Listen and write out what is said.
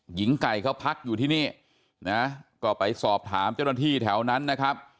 หญิงไก่เขาพักอยู่ที่นี่นะก็ไปสอบถามเจ้าหน้าที่แถวนั้นนะครับ